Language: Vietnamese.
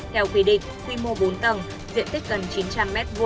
theo quy định quy mô bốn tầng diện tích gần chín trăm linh m hai